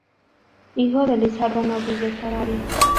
Hijo de Lisardo Novillo Saravia.